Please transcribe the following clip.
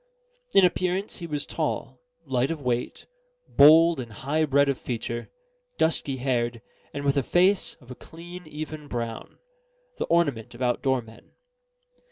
In appearance, he was tall, light of weight, bold and high bred of feature, dusky haired, and with a face of a clean even brown: the ornament of outdoor men.